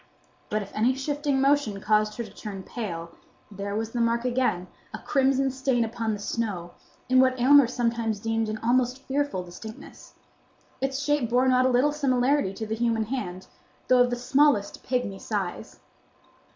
But if any shifting motion caused her to turn pale there was the mark again, a crimson stain upon the snow, in what Aylmer sometimes deemed an almost fearful distinctness. Its shape bore not a little similarity to the human hand, though of the smallest pygmy size.